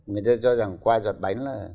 người ta cho rằng qua giọt bánh là